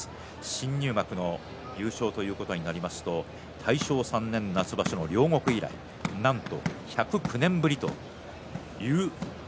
新入幕の優勝ということになりますと大正３年夏場所の両國以来なんと１０９年ぶり